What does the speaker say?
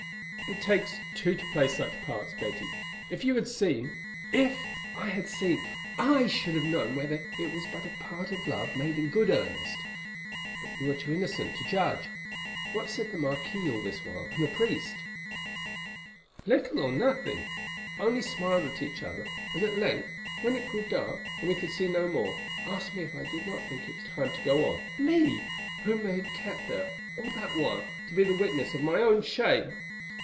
"It takes two to play such parts, Betty. If you had seen——" "If I had seen, I should have known whether it was but a part or love made in good earnest; but you are too innocent to judge. What said the marquis all this while, and the priest?" "Little or nothing, only smiled at each other, and at length, when it grew dark and we could see no more, asked me if I did not think that it was time to go—me! whom they had kept there all that while to be the witness of my own shame."